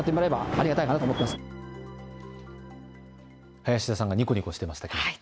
林田さんがにこにこしてましたけど。